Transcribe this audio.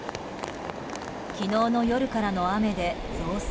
昨日の夜からの雨で増水。